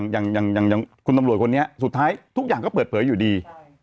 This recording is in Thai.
อย่างคุณตำรวจคนนี้สุดท้ายทุกอย่างก็เปิดเผยอยู่ดี